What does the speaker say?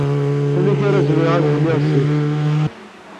Amek ar zemreɣ ad henniɣ seg-s?